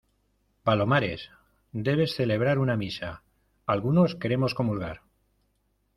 palomares, debes celebrar una misa. algunos queremos comulgar